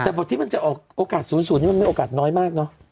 แต่บทที่มันจะออกโอกาส๐๐นี่มันมีโอกาสน้อยมากเนอะ